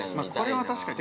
◆これは確かに。